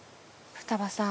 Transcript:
二葉さん